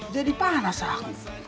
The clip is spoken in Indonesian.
jadi panas aku